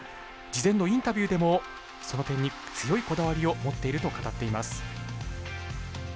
事前のインタビューでもその点に強いこだわりを持っていると語っています。